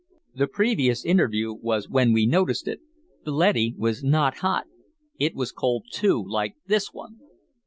"The previous interview was when we noticed it. The leady was not hot. It was cold, too, like this one."